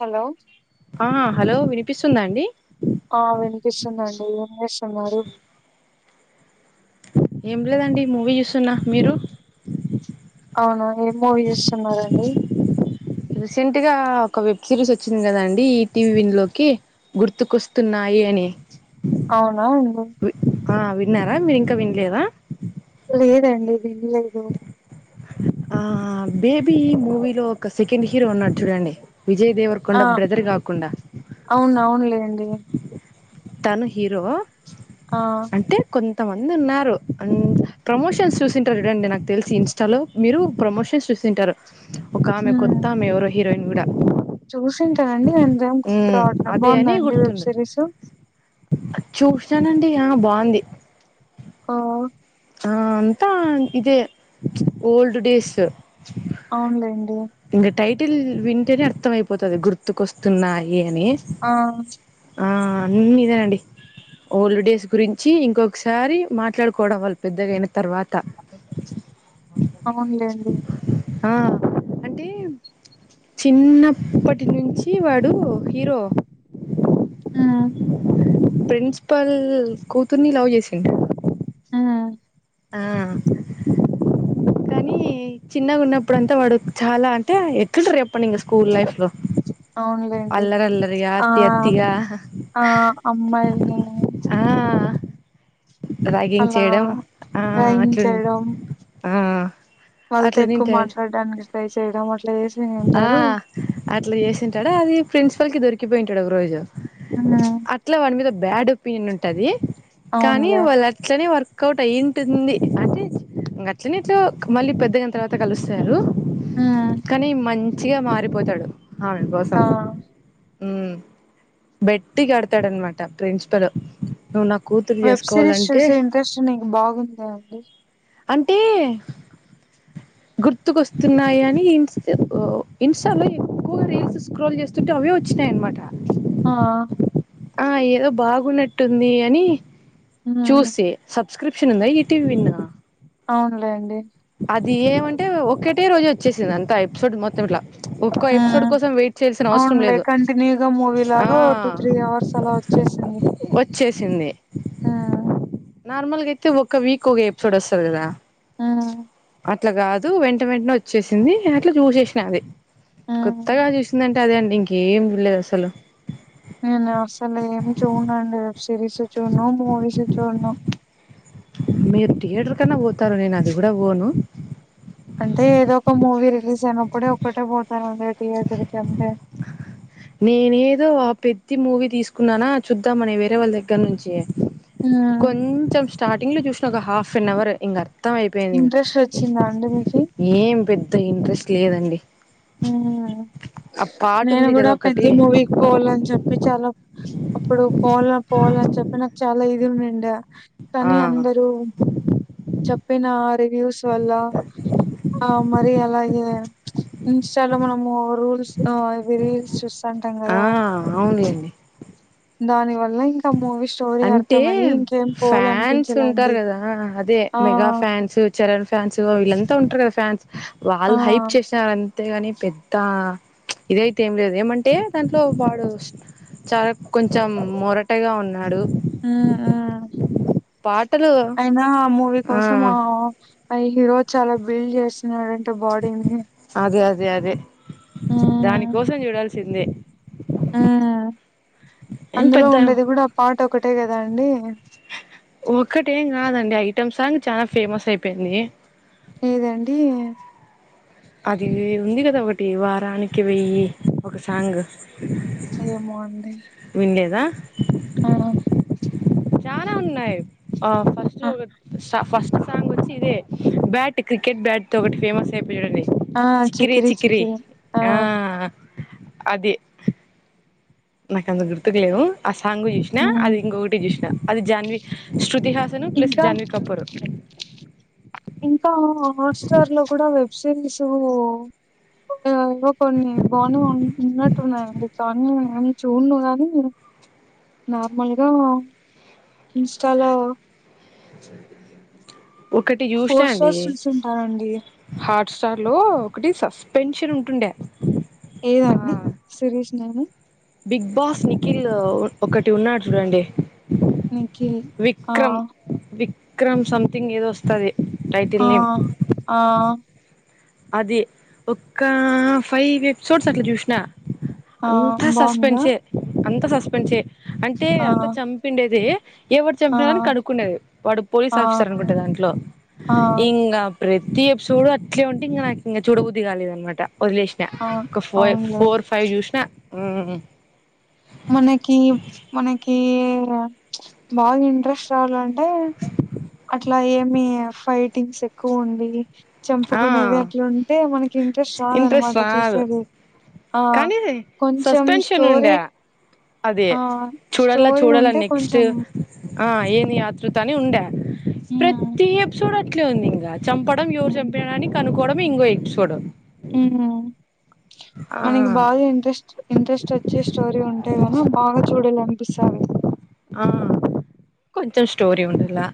Hello ఆ hello వినిపిస్తుందాండి ఆ వినిపిస్తుందండి ఏం చేస్తున్నారు ఏం లేదండి మూవీ చూస్తున్న మీరు అవును ఏం మూవీ చుస్తున్నారండి రీసెంట్ గా ఒక వెబ్ సిరీస్ వచ్చింది కదాండి ఈ టీవీ విన్ లోకి గుర్తుకొస్తున్నాయి అని అవునా అండి వి ఆ విన్నారా మీరు ఇంకా వినలేదా లేదండి పల్ద [unintelligible] ఆ బేబీ మూవీలో ఒక సెకండ్ హీరో ఉన్నాడు చూడండి విజయ్ దేవర్ కొండ బ్రదర్ కాకుండా అవునవునులేండి తను హీరో ఆ అంటే కొంతమంది ఉన్నారు అం ప్రమోషన్స్ చూసింటారు చూడండి నాకు తెలిసి ఇ లో మీరు ప్రమోషన్స్ చూస్తుంటారు ఒక ఆమె ఉమ్ కొత్త ఆమె ఎవరో హీరోయిన్ కూడా చూసింటానండి అంతేం గుర్తు ఉమ్ రావట్లే అదే బాగుందండి వెబ్ సిరీస్ చూసానండి ఆ బాగుంది ఆ ఆ అంతా ఇదే చ్ ఓల్డ్ డేస్ అవునులేండి ఇంగా టైటిల్ వింటేనే అర్థం అయిపోతది గుర్తుకొస్తున్నాయి అని ఆ ఆ అన్నీ ఇదేనండి ఓల్డ్ డేస్ గురించి ఇంకొకసారి మాట్లాడుకోవడం వాళ్ళు పెద్దగాయిన తర్వాత అవునులేండి ఆ అంటే చిన్నప్పటి నుంచి వాడు హీరో ఊ ప్రిన్సిపాల్ కూతుర్ని లవ్ చేసిండు ఆ ఆ కానీ చిన్నగా ఉన్నప్పుడు అంతా వాడు చాలా అంటే ఎట్లుంటారు చెప్పండి ఇంకా స్కూల్ లైఫ్ లో అవునులేండి అల్లరి అల్లరియా ఆ అతి అతిగా ఆ అమ్మాయిల్ని ఆ ర్యాగింగ్ అలా చేయడం ఆ డ్రాయింగ్ అట్లుంట్ చేయడం ఆ వాళ్ళతో అట్లా ఎక్కువ తింటాడు మాట్లాడడానికి ట్రై చేయడం అట్ల చేస్ ఆ అట్లా చేసింటాడు అది ప్రిన్సిపల్ కి దొరికిపోయింటాడు ఒక రోజు హ్మ్. అట్లా వాని మీద బ్యాడ్ ఒపీనియన్ ఉంటది కానీ అవునులే. వాళ్ళ అట్లనే వర్కౌట్ అయి ఉంటుంది అంటే ఇంకా అట్లనే ఎట్లో మళ్ళీ పెద్దగైన్ తర్వాత కలుస్తారు ఆ కానీ మంచిగా మారిపోతాడు ఆమె కోసం ఆ! ఉ బెట్టి కడతాడనమాట ప్రిన్సిపల్ నువ్వు నా కూతుర్ని వెబ్ సిరీస్ చేసుకోవాలంటే చూసే ఇంట్రెస్ట్ నీకు బాగుందా అండి? అంటే గుర్తుకొస్తున్నాయి అని ఇంట్స్ ఇన్స్టాలో ఎక్కువగా రీల్స్ స్క్రోల్ చేస్తుంటే అవే వచ్చినాయన్నమాట ఆ ఆ ఏదో బాగున్నట్టుంది అని హ్మ్. చూసి సబ్స్క్రిప్షన్ ఉందా ఈ టీవి విన్ అవునులేండి అది ఏమంటే ఒకటే రోజు వచ్చేసింది అంత ఎపిసోడ్ మొత్తం ఇట్లా ఒక్క ఎపిసోడ్ కోసం వెయిట్ చేయాల్సిన అవసరం అవునులే లేదు కంటిన్యూగా మూవీ ఆ లాగా ఓ టూ త్రీ అవర్స్ అలా చేేసింది వచ్చేసింది ఆ నార్మల్గా అయితే ఒక వీక్ ఒక ఎపిసోడ్ వస్తాది కదా ఆ అట్లా కాదు వెంట వెంటనే వచ్చేసింది అట్లా చూసేసిన అది హ్మ్. కొత్తగా చూసిందంటే అదే అండి ఇంకేం లేదు అసలు నేను అసలు ఏం చూడనండి వెబ్ సిరీస్ చూను మూవీస్ చూను మీరు థియేటర్ కన్నా పోతారు నేను అది కూడా పోను అంటే ఏదో ఒక మూవీ రిలీజ్ అయినప్పుడే ఒక్కటే పోతానండి థియేటర్ కి అంటే నేనేదో ఆ పెద్ద మూవీ తీసుకున్నానా చూద్దాం అని వేరే వాళ్ళ దగ్గర నుంచి హ్మ్. కొంచెం స్టార్టింగ్ లో చూసిన ఒక హాఫ్ అన్ అవర్ ఇంగది తం అయిపోయింది ఇంట్రెస్ట్ ఇగ వచ్చిందా అండి మీకి? ఏం పెద్ద ఇంట్రెస్ట్ లేదండి ఆ పాట ఉంది కదా ఒకటి పెద్ద మూవీకి పోవాలని చెప్పి చాలా అప్పుడు పోవాల పోవాల అని చెప్పినా చాలా ఇది ఉండిండె ఆ కానీ అందరూ చెప్పిన రివ్యూస్ వల్ల ఆ మరి అలాగే ఇంస్టాలో మనము రూల్స్ ఆ ఇవి రీల్స్ చూస్ ఆ అవును లేండి దానివల్ల అంటే ఇంకేం ఫ్యాన్స్ ఉంటారు పోవాలనిపించలేండి కదా అదే ఆ మెగా ఫ్యాన్స్ చరణ్ ఫ్యాన్సూ వీళ్ళంతా ఉంట్రు గదా ఫ్యాన్స్ ఆ వాళ్ళ్ హైప్ చేషారం తే గాని పెద్దా ఇదైతే ఏం లేదు ఏమంటే దాంట్లో వాడు చాలా కొంచం మొరటగా ఉన్నాడు ఊ ఆ పాటలు అయినా ఆ మూవీ ఆ కోసమో ఆ హీరో చాలా బిల్ జేస్తున్నాడంట బాడీని అదే అదే అదే హ్మ్ దానికోసం జూడాల్సిందే ఆ ఏం అందులో పెద్ద ఉండేది గూడా పాట ఒకటే గదా అండి ఒక్కటేం గాదండి ఐటెమ్ సాంగ్ చాలా ఫేమస్ అయిపేంది ఏదండీ అది ఉంది గదా ఒగటి వారానికి వెయ్యి ఒక సాంగు ఏమో అండి విండ్లేద ఆ చానా ఉన్నాయ్ ఆ ఫస్టూ ఆ ఒగట్ సా ఫస్ట్ సాంగొచ్చి ఇదే బ్యాట్ క్రికెట్ బ్యాట్ తో ఒగటి ఫేమస్ అయిపో ఆ [unintelligible] చిక్రి చికిరి చిక్రి చికిరి ఆ అది నాకి అంత గుర్తుకు లేవు ఆ సాంగు జూష్నా అది హ్మ్ ఇంగొగటి జూష్నా అది జాన్వి శృతిహా ఇంకా ఇంకా ఆట్స్టార్ లో గుడా వెబ్ సిరీసో ఆ ఇంగో కొన్ని బానే ఉన్నట్టున్నాయండి కానీ నేనేం చూన్నో గానీ నార్మల్గా ఇన్స్టాలో ఒక్కటి జూష్నా ఫోర్ అండి స్టార్స్ చూస్తుంటానండి హాట్ స్టార్ లో ఒకటి సస్పెన్షన్ ఉంటుండే ఆ ఏదండి సిరీష్ నేము బిగ్ బాస్ నిఖిలూ ఒకటి ఉన్నాడ్ జూడండి నిఖిల్ ఆ విక్రమ్ విక్రమ్ సంథింగ్ ఏదో వొస్తది ఆ ఆ అది ఒక్కా ఫైవ్ ఎపిసోడ్స్ అట్లా జూష్నా ఆ అంతా బాగుందా సస్పెన్సే అంతా సస్పెన్సే అంటే ఆ అంత చంపిండేదే ఎవడు ఆ చంపినారని కడుక్క్కనేది వాడు పోలీస్ ఆ ఆఫీసర్ అనుకుంట దాంట్లో ఆ ఇంగ ప్రతి ఎపిసోడ్ అట్లే ఉంటే ఇంగ నాకి ఇంగ చూడబుద్ది గాలేదనమాట వదిలేష్ ష ఆ ఒక ఫోరె అవునులే ఫోర్ ఫైవ్ జూష్నా ఉ ఊ ఉ మనకీబ్ మనకీ బాగా ఇంట్రెస్ట్ రావాలం డే అట్లా ఏమి ఫైటింగ్స్ ఎక్కువుండి ఆ చంపుకునేది అట్లుంటే మనకి ఇంట్రెస్ట్ ఇంట్రెస్ట్ రాదనమాట రాదు చూసేది ఆ కానీ కొంచం స్టోరీ అదే ఆ చూడల్ల స్టోరీ చూడల్ల ఉంటే అన్ నెక్స్టు కొంచెం ఆ ఏంది ఆత్రృత అని ఉండ్యా హ్మ్. ప్రతి ఎపిసోడ్ అట్లే ఉంది ఇంగ చంప డం ఎవరు హ్మ్. జంపినారని కనుకోవడం ఇంగో ఎపిసోడు ఉనా ఆ మనకి బాగా ఇంట్రెస్టు ఇంట్రెస్టొ చ్చే స్టోరీ ఉంటే గాన బాగా చూడాలినిపిస్తాది ఆ కొంచం స్టోరి ఉండల్లా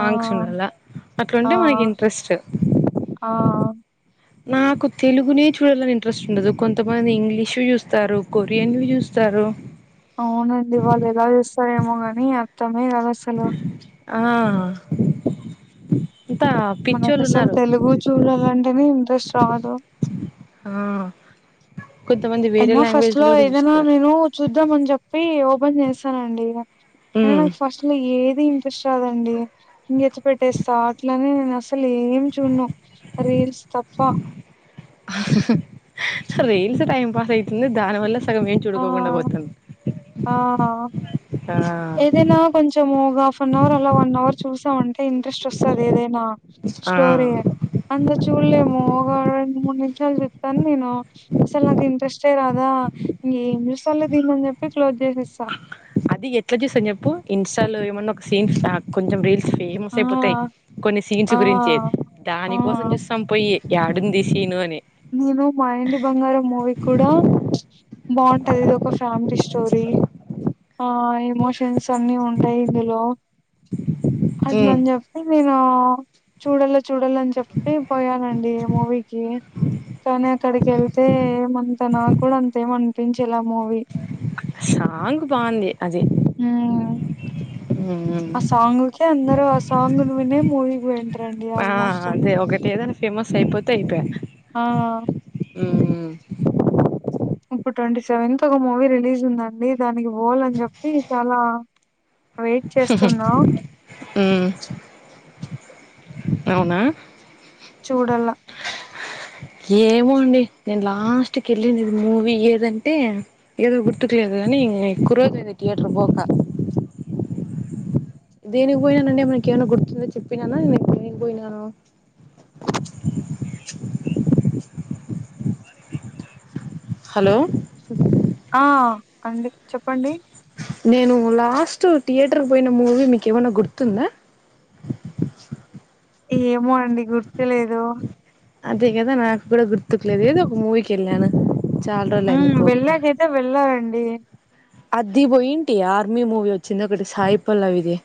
ఆ! ఆ! అట్లుంటే మనకి ఇంట్రెస్టు ఆ నాకు తెలుగునే చూడల్లని ఇంట్రెస్టుండదు కొంతమంది ఇంగ్లీషు జూస్తారు కొరియన్వి చూస్తారు అవునండి వాళ్ళు ఎలా చేస్తారేమో కానీ అర్థమే కాదు అసలు ఆ ఇతాబ్ మనకు అసలు తెలుగు చూడాలంటేనే ఇంట్రెస్ట్ రాదు ఆ కొంతమంది కైన్ వేరే ఆఫ్ ఫస్ట్ లాంగ్వేజ్ లో కూడా ఏదైనా చూస్తారు నేను చూద్దాం అని చెప్పి ఓపెన్ చేస్తానండి అయినా ఉమ్ ఫస్ట్ ఇట్లా ఏది ఇంట్రెస్ట్ రాదండి ఇంగ విడిచి పెట్టేస్తా అట్లనే నేను ఆస అసలు ఏం చూడను రీల్స్ తప్ప రైన్స్ టైం పాస్ అయితుంది దాని వల్ల సగం ఏం ఆ చూడుకోకుండా పోతున్నాం ఆ తిన్నా కొంచెం ఒక హాఫ్ ఎన్ అవర్ అలా వన్ అవర్ చూసామంటే ఇంట్రెస్ట్ వస్తది ఏదైనా ఆ స్టోరీ అంద చూడలేము ఒక రెండు మూడు నిమిషాలు చూస్తాను నేను అసలు నాకు ఇంట్రెస్టే రాదా ఇంకా ఎన్నిసార్లు దీన్ని అని చెప్పి క్లోజ్ చేసేస్తా అది ఎట్లా చూస్తాం చెప్పు ఇన్స్టాల్ లో ఏమన్నా ఒక సీన్ ఆ కొంచెం రీల్స్ ఫేమస్ ఆ! అయిపోతాయి కొన్ని సీన్స్ ఆ! గురించే ఆ! దానికోసం చూస్ సంపోయి యాడుంది ఈ సీను అని నేను మా ఇంటి బంగారం మూవీ కూడా బాగుంటది ఇది ఒ ఓ ఫ్యామిలీ స్టోరీ ఆ ఎమోషన్స్ అన్ని ఉంటాయి ఇందులో ఉమ్ అట్లనే చెప్ నేను చూడలే చూడాలని చెప్పి పోయానండి మూవీ ఏ కానీ అక్కడికి వెళ్తే ఏమంత నాక్కూడా అంతే అనిపించలా మూవీ సాంగ్ బాగుంది అది ఉ ఉమ్ ఆ సాంగ్ కే అందరూ ఆ సాంగ్ ను వినే మూవీకి వెళ్తారండి ఆల్మోస్ట్ ఏ ఒకటి ఏదైనా ఫేమస్ అయిపోతే అయిపోయిన ఆ ఉమ్ ఇప్పుడు ట్వంటీ సెవెంత్ కు మూవీ రిలీజ్ ఉందండి దానికి పోవాలని చెప్పి చాలా వెయిట్ చేస్తున్నా ఉమ్ అవునా చూడల ఏమో అండి నేను లాస్ట్ కి వెళ్ళింది మూవీ ఏదంటే ఏదో గుర్తులేదు కానీ ఎక్కువ రోజులు తీయేటర్ పోక దేనికి పోయినానని ఏమైనాకే గుర్తుదే చెప్పినానా లేకపోతే నేను పోయినానా అ [inaudible] హలో ఆ అండి చెప్పండి నేను లాస్ట్ థియేటర్ పోయిన మూవీ మీకేమన్నా గుర్తుందా ఏమో అండి గుర్తులేదు అదే కదా నాకు కూడా గుర్తుకు లేదు ఏదో ఒక మూవీకి వెళ్లాను ఉమ్ వెళ్ళాకైతే వెళ్ళారండి అది పోయింటి ఆర్మీ మూవీ వచ్చింది ఒకటి సాయి పల్లవిది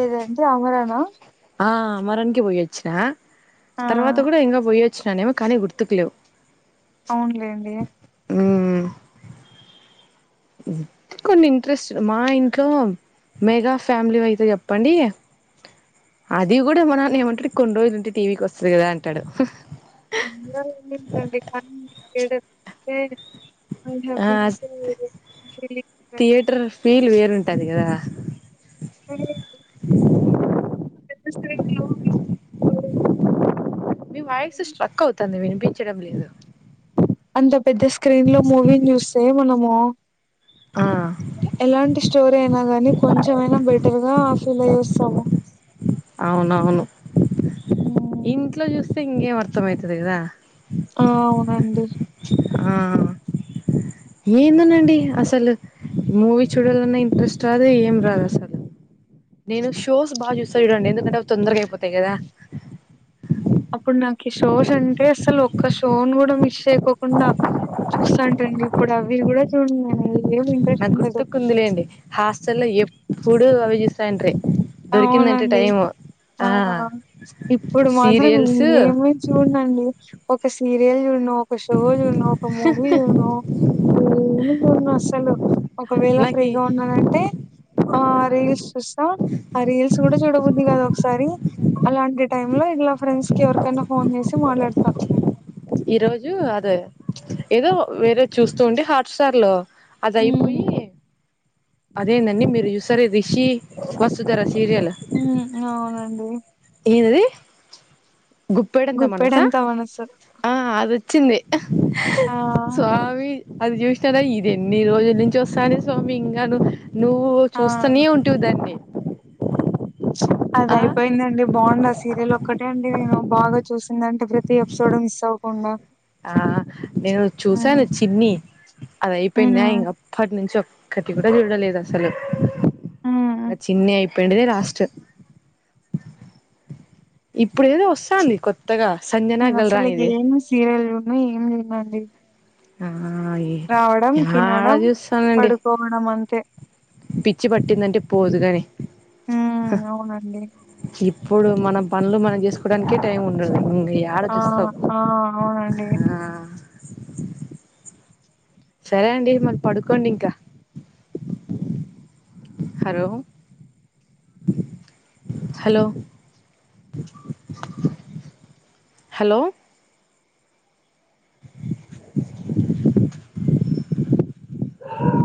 ఏదండి అమరనా ఆ అమరన్ కి పోయొచ్చిన ఆ తర్వాత కూడ ఇంగ పోయొచ్చిననేమో కానీ గుర్తుకు లేవు అవునులేండి ఉమ్ కొన్ని ఇంట్రెస్టడ్ మా ఇంట్లో మెగా ఫ్యామిలీవయితే చెప్పండి అది కూడ మనాన్నెమంటడు కొన్ని రోజులుంటే టీ వీ కొస్తది కదా అంటడు అందరు వెళ్ళుంటరండి కానీ లీడర్సే అ ఆ హ్యాపీనెస్ ఎ వేరు [unintelligible] థియేటర్ ఫీల్ వేరుంటది కదా అదేగదా అంత పెద్ద స్క్రీన్ లో మీ వాయిస్ స్ట్రక్ అవుతుంది వినిపించడం లేదు అంత పెద్ద స్క్రీన్ లో మూవీన్ చూస్తే మనము ఆ ఎలాంటి స్టోరీ అయినా గానీ కొంచమైనా బెట్ టర్ గా ఫిల్ అయి వస్తాము అవునవును ఉమ్ ఇంట్లో చూస్తే ఇంకేం అర్థంమయితది కదా ఆ అవునండి ఆ ఏందోనండి అసలు మూవీ చూడలన్న ఇంట్రెస్ట్ రాదు ఏం రాదు అసలు నేను షోస్ బాగ చూస్త చూడండి ఎందుకంటవి తొందరగ అయిపోతయి కదా అప్పుడు నాకి షోస్ అంటే అసలు ఒక్క షోను కూడ మిస్ చేయకోకుండా చూస్తాంటండి ఇప్పుడు అవ్వి గూడ చూడనెనేయి నాక్ గుర్తుకుందిలేండి హాస్టల్లో ఎప్పుడూ అవ్వే జూస్తాండ్రీ దొరికిందంటే అవునండి. టైము ఆ సీరియల్స్ చూడ్నండి ఒక సీరియల్ చూడను, ఒక షో చూడ్ను, ఒక మూవీ చూడ్ను ఏమి చూడ్నసలు ఒకవేళ నాకి ఫ్రీగా ఉన్నానంటే ఆ రీల్స్ చూస్తా ఆ రీల్స్ కూడాచూడబుద్ధి కాదు ఒక్సారి అలాంటి టైమ్ లో ఇలా ఫ్రెండ్స్ కి ఎవరికైనా ఫోన్ చేసి మాట్లాడతా ఈ రోజు అదే ఏదో వేరే చూస్తూ ఉండి హాట్స్టార్ లో అదయిపోయి హ్మ్. అదేందండి మీరు జూస్తరుగ రిషి వసుధర సీరియల్ ఉమ్ అవునండి ఏందది గుప్పేడంత మనసా గుప్పెడంతా మనసు ఆ అదోచ్చింది ఆ! స్వామి అది చూసిననా ఇది ఎన్ని రోజుల నుంచి వస్తాంది స్వామి ఇంగా నువ్ నువ్వు ఆ! చూస్తనే ఉంట టు దాన్ని ఆ అదయిపోయిందండి బావుందా సీరియల్ ఒక్కటే అండి నేను బాగ చూసింది అంటే ప్రతి ఎపిసోడ్ మిస్ అవ్వకుండా ఆ నేను హ్మ్. చూసాను చిన్ని అదయిపోయిందా హ్మ్. ఇంగప్ ప్పటి నుంచి ఒక్కటి కూడ చూడలేదు అసలు హ్మ్. ఆ చిన్ని అయిపోయిండిదే లాస్ట్ ఇప్పుడు ఏదో వస్తంది కొత్తగా సంజన గల్రానిది కీరెలున్నా ఏం తినండి హాయ్ యాడ తినడం, చూస్తానండి పడుకోవడం అంతే. పిచ్చి పట్టిందంటే పోదుగాని ఆ అవునండి ఇప్పుడు మన పనులు మనం చేసుకోడానికే టైం ఉండదు ఇంగ యా ఆ ఆ అవునండి సరే అండి మరి పడుకోండి ఇంకా హలో హలో హలో